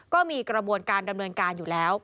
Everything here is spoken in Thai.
ก็มีกระบวนการดำเนินการอยู่แล้ว